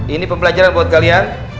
ini pembelajaran buat kalian